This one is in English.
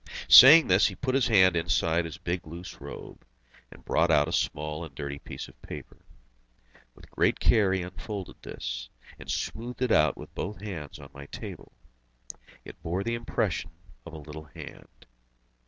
Saying this, he put his hand inside his big loose robe, and brought out a small and dirty piece of paper. With great care he unfolded this, and smoothed it out with both hands on my table. It bore the impression of a little band.